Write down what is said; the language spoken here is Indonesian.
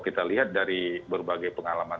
kita lihat dari berbagai pengalaman